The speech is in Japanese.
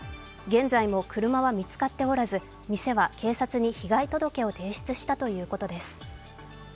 現在も車は見つかっておらず、店は警察に被害届を提出したということです。